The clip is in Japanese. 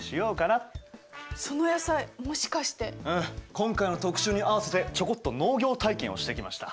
今回の特集に合わせてちょこっと農業体験をしてきました。